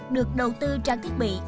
được đầu tư trang thiết bị